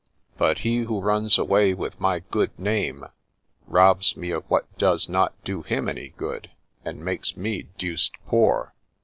But he who runs away with my GOOD NAME, Robs me of what does not do him any good, And makes me deuced poor